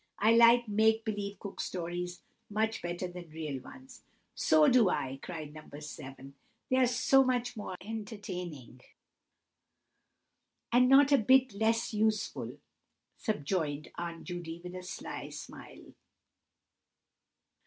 "I like make believe Cook Stories much better than real ones." "So do I!" cried No. 7, "they're so much the more entertaining." "And not a bit less useful," subjoined Aunt Judy, with a sly smile.